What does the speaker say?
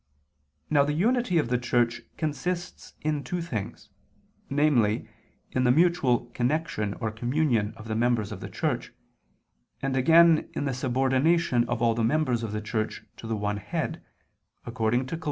Now the unity of the Church consists in two things; namely, in the mutual connection or communion of the members of the Church, and again in the subordination of all the members of the Church to the one head, according to Col.